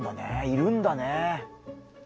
いるんだね。